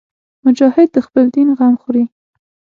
مجاهد د خپل دین غم خوري.